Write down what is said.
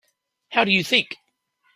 How do you think?